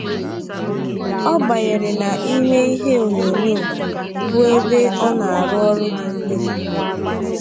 Ọ banyere na ime ihe onyonyo, bụ ebe ọ na-arụ ọrụ dị nfe.